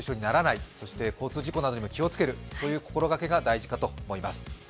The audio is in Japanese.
そして交通事故などにも気をつける心がけが大事かと思います。